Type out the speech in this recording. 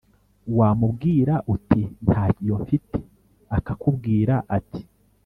Wamubwira uti ‘ntayo mfite’ akakubwira ati